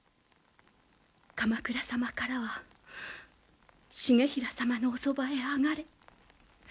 鎌倉様からは「重衡様のおそばへ上がれ」